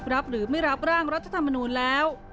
รับหรือไม่รับร่างรัฐธรรมนูลแล้ว